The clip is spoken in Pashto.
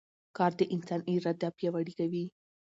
کار د انسان اراده پیاوړې کوي